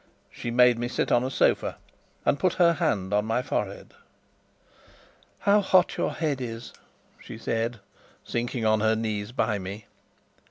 She made me sit on a sofa, and put her hand on my forehead. "How hot your head is," she said, sinking on her knees by me.